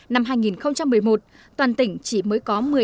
năm hai nghìn một mươi một toàn tỉnh chỉ mới có